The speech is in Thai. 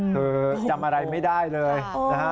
คือจำอะไรไม่ได้เลยนะฮะ